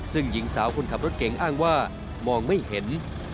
ซึ่งหญิงสาวคนขับรถเก่งอ้างว่ามองไม่เห็น